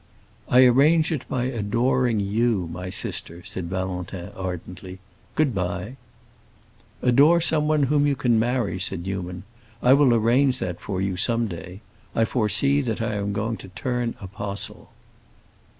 "I arrange it by adoring you, my sister," said Valentin ardently. "Good bye." "Adore someone whom you can marry," said Newman. "I will arrange that for you some day. I foresee that I am going to turn apostle."